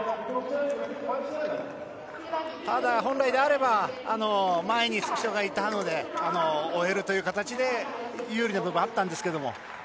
ただ、本来であれば前に人がいたので追えるという形で有利な部分もあったんですが。